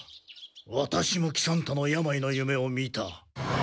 ワタシも喜三太の病の夢を見た。